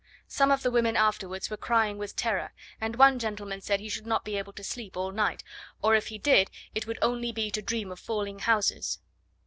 Some of the women afterwards were crying with terror, and one gentleman said he should not be able to sleep all night, or if he did, it would only be to dream of falling houses.